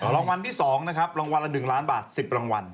รางวัลที่๒นะครับรางวัลละ๑ล้านบาท๑๐รางวัล